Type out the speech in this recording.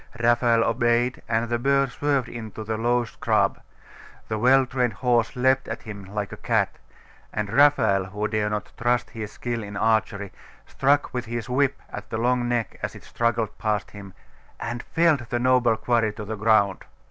Raphael obeyed, and the bird swerved into the low scrub; the well trained horse leapt at him like a cat; and Raphael, who dare not trust his skill in archery, struck with his whip at the long neck as it struggled past him, and felled the noble quarry to the ground.